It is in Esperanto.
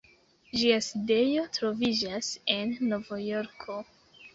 Ĝia sidejo troviĝas en Novjorko.